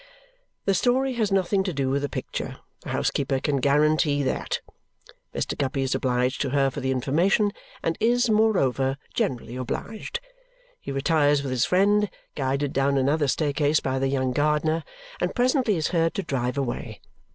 The story has nothing to do with a picture; the housekeeper can guarantee that. Mr. Guppy is obliged to her for the information and is, moreover, generally obliged. He retires with his friend, guided down another staircase by the young gardener, and presently is heard to drive away.